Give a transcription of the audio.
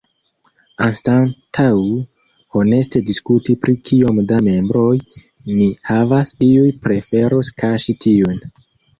Anstataŭ honeste diskuti pri kiom da membroj ni havas, iuj preferus kaŝi tiun.